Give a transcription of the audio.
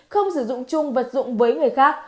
không sử dụng chung vật dụng với người khác